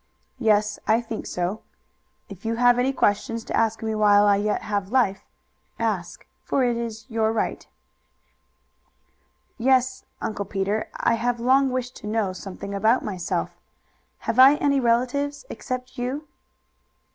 "Yes, I think so. If you have any questions to ask me while I yet have life, ask, for it is your right." "Yes, Uncle Peter, I have long wished to know something about myself. Have I any relatives except you?"